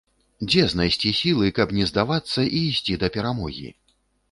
Дзе знайсці сілы, каб не здавацца і ісці да перамогі?